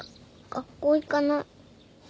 学校行かない。